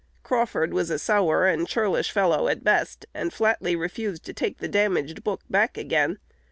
Crawford was a sour and churlish fellow at best, and flatly refused to take the damaged book back again.